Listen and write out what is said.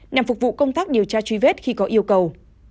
nhằm phục vụ công tác điều tra truy vết khi có yêu cầu